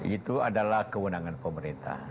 itu adalah kewenangan pemerintah